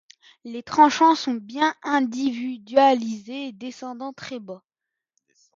Les tranchants sont bien individualisé et descendent très bas.